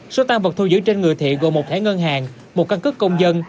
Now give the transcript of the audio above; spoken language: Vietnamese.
số tăng vật thu giữ trên người thiện gồm một thẻ ngân hàng một căn cức công dân